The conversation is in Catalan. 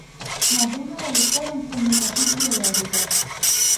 Mesura de licor amb connotacions biològiques.